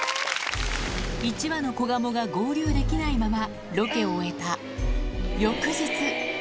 １羽の子ガモが合流できないままロケを終えた翌日。